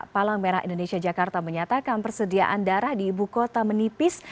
palang merah indonesia jakarta menyatakan persediaan darah di ibu kota menipis